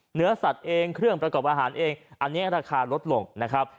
เนื้อสัตว์เองเครื่องประกอบอาหารเองอันนี้ราคาลดลงนะครับ